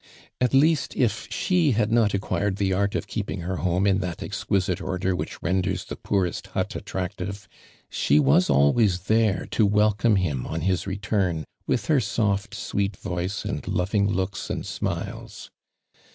At least, it she had not accjuired the art of keeping Iut home in that exquisite order which renders the pooi'cst hut attractive, she was always thi'ro to welcome hinj on his return with her soft sweet voice and loving lookx and smiles.